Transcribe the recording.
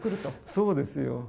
そうですよ。